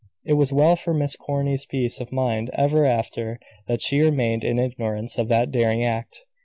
It was well for Miss Corny's peace of mind ever after that she remained in ignorance of that daring act.